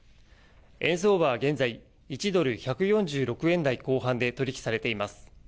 円相場は現在、１ドル１４６円台後半で取り引きされています。